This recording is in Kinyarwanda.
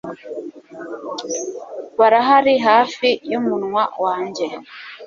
Barahari hafi yumunwa wanjye